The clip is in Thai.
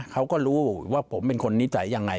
เขาก็รู้ว่าผมเป็นคนนิสัยยังไง